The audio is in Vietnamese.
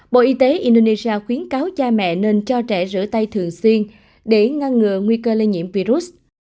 bộ y tế indonesia khuyến cáo cha mẹ nên cho trẻ rửa tay thường xuyên để ngăn ngừa nguy cơ lây nhiễm virus